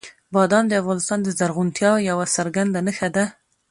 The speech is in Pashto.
بادام د افغانستان د زرغونتیا یوه څرګنده نښه ده.